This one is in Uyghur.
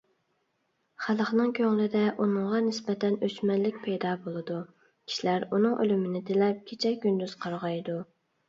خەلقنىڭ كۆڭلىدە ئۇنىڭغا نىسبەتەن ئۆچمەنلىك پەيدا بولىدۇ. كىشىلەر ئۇنىڭ ئۆلۈمىنى تىلەپ كېچە - كۈندۈز قارغايدۇ.